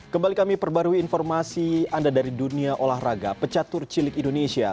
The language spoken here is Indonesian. kembali kami perbarui informasi anda dari dunia olahraga pecatur cilik indonesia